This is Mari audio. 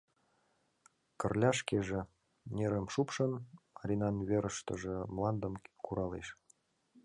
Кырля шкеже, нерым шупшын, Маринан верыштыже мландым куралеш.